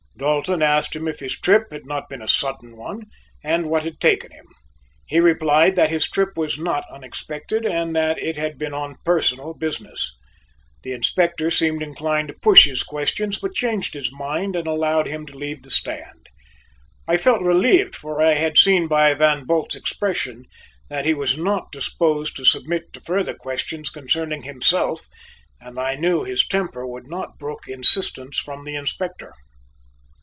Dalton asked him if his trip had not been a sudden one, and what had taken him. He replied that his trip was not unexpected and that it had been on personal business. The Inspector seemed inclined to push his questions but changed his mind and allowed him to leave the stand. I felt relieved, for I had seen by Van Bult's expression that he was not disposed to submit to further questions concerning himself and I knew his temper would not brook insistence from the Inspector.